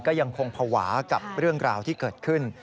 ก็ยังคงภาวะกับเรื่องราวที่เกิดขึ้น